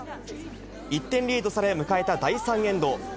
１点リードされ、迎えた第３エンド。